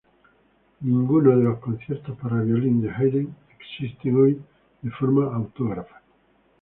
Ninguno de los conciertos para violín de Haydn existen hoy de forma autógrafa.